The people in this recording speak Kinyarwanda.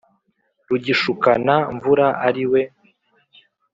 rugishukana-mvura ari iwe